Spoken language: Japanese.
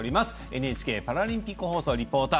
ＮＨＫパラリンピック放送リポーター